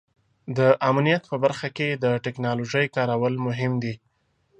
د امنیت په برخه کې د ټیکنالوژۍ کارول مهم دي.